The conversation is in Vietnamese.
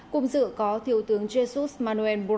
cùng dựa có thiếu tướng jesus manoel